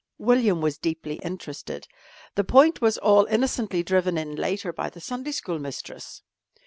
William was deeply interested. The point was all innocently driven in later by the Sunday school mistress.